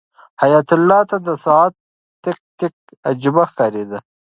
حیات الله ته د ساعت تیک تیک عجیبه ښکارېده.